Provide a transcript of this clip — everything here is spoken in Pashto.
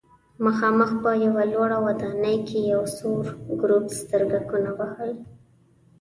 مخامخ په یوه لوړه ودانۍ کې یو سور ګروپ سترګکونه وهي.